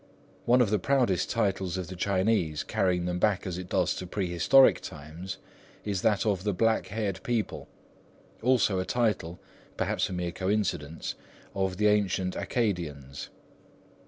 One of the proudest titles of the Chinese, carrying them back as it does to prehistoric times, is that of the Black haired People, also a title, perhaps a mere coincidence, of the ancient Accadians.